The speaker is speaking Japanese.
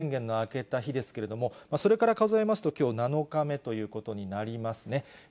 また、１０月１日が緊急事態宣言の明けた日ですけれども、それから数えますと、きょう７日目ということになりますね。